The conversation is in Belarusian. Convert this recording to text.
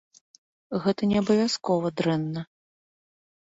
Гэта не абавязкова дрэнна.